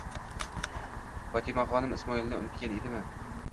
Fotimaxonim Ismoilni unutgan edimi?